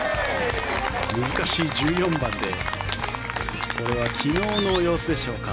難しい１４番でこれは昨日の様子でしょうか。